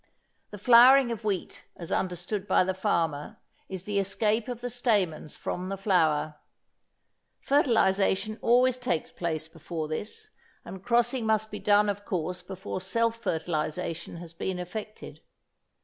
The flowering of wheat as understood by the farmer is the escape of the stamens from the flower. Fertilisation always takes place before this, and crossing must be done of course before self fertilisation has been effected.